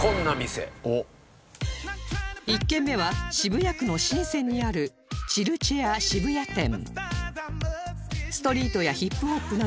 １軒目は渋谷区の神泉にあるチルチェア渋谷店